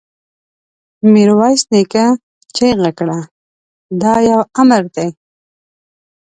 ميرويس نيکه چيغه کړه! دا يو امر دی!